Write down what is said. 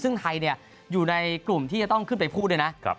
ซึ่งไทยอยู่ในกลุ่มที่จะต้องขึ้นไปพูดด้วยนะ